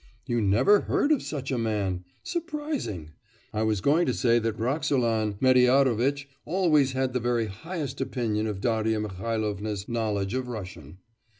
'You never heard of such a man? surprising! I was going to say that Roxolan Mediarovitch always had the very highest opinion of Darya Mihailovna's knowledge of Russian!